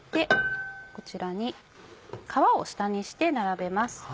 こちらに皮を下にして並べます。